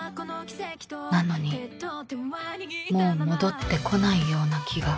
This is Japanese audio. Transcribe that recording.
「なのにもう戻ってこないような気が」